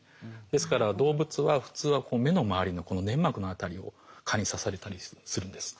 ですから動物は普通は目の周りのこの粘膜の辺りを蚊に刺されたりするんです。